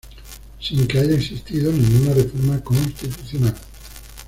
Sin que haya existido ninguna reforma constitucional.